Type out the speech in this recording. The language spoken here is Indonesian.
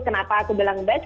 kenapa aku bilang batch